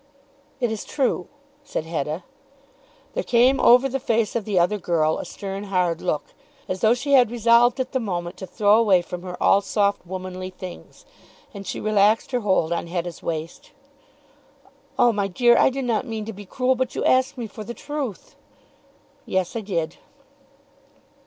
"It is true," said Hetta. There came over the face of the other girl a stern hard look, as though she had resolved at the moment to throw away from her all soft womanly things. And she relaxed her hold on Hetta's waist. "Oh, my dear, I do not mean to be cruel, but you ask me for the truth." "Yes; I did."